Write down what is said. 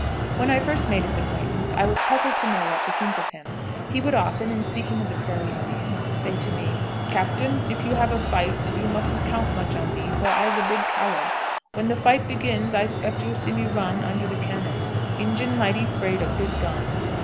When I first made his acquaintance I was puzzled to know what to think of him. He would often, in speaking of the Prairie Indians, say to me, "Captain, if you have a fight, you mustn't count much on me, for I'ze a big coward. When the fight begins I 'spect you'll see me run under the cannon; Injun mighty 'fraid of big gun."